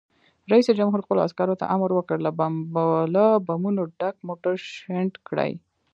رئیس جمهور خپلو عسکرو ته امر وکړ؛ له بمونو ډک موټر شنډ کړئ!